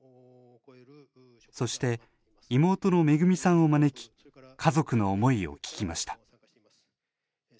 そして、妹のめぐみさんを招き家族の思いを聞きました。